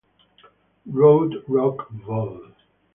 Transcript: Road Rock Vol.